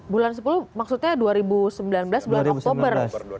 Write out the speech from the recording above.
bulan sepuluh maksudnya dua ribu sembilan belas bulan oktober